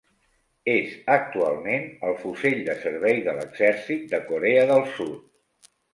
És actualment el fusell de servei de l’exèrcit de Corea del Sud.